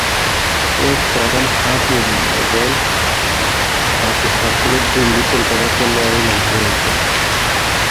এর প্রধান হাব মুম্বাই এ এবং বাকি হাব গুলো দিল্লি, কলকাতা, চেন্নাই এবং বেঙ্গালুরুতে।